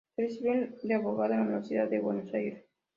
Se recibió de abogado en la Universidad de Buenos Aires.